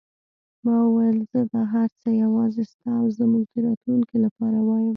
ما وویل: زه دا هر څه یوازې ستا او زموږ د راتلونکې لپاره وایم.